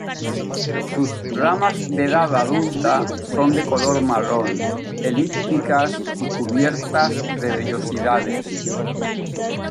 Sus ramas de edad adulta son de color marrón, elípticas y cubiertas de vellosidades.